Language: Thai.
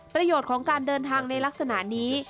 ประโยชน์ของการเดินทางในลักษณะนี้